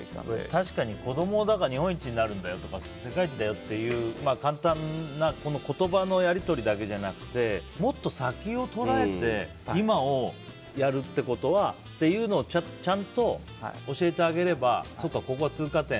確かに子供が日本一になるんだよとか世界一だよっていう簡単な言葉のやり取りだけじゃなくてもっと先を捉えて今をやるっていうことをちゃんと教えてあげればそっか、ここは通過点。